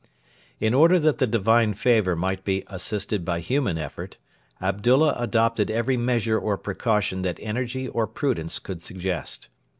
In order that the divine favour might be assisted by human effort, Abdullah adopted every measure or precaution that energy or prudence could suggest.